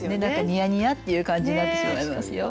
ニヤニヤっていう感じになってしまいますよ。